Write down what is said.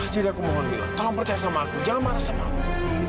jadi aku mohon mila tolong percaya sama aku jangan marah sama aku